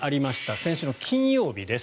先週の金曜日です。